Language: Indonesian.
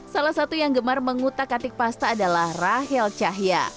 salah satu yang gemar mengutak atik pasta adalah rahel cahya